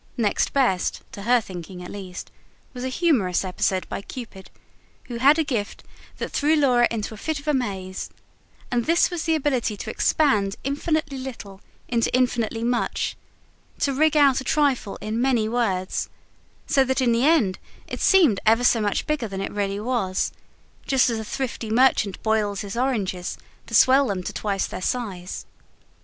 Next best to her thinking, at least was a humorous episode by Cupid, who had a gift that threw Laura into a fit of amaze; and this was the ability to expand infinitely little into infinitely much; to rig out a trifle in many words, so that in the end it seemed ever so much bigger than it really was just as a thrifty merchant boils his oranges, to swell them to twice their size.